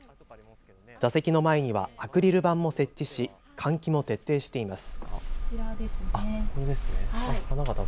座席の前にはアクリル板も設置し換気も徹底しています。